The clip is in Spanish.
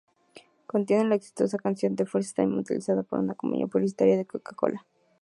Contiene la exitosa canción "First Time", utilizada para una campaña publicitaria de Coca Cola.